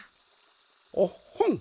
おっほん！